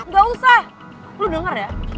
gak usah lu denger ya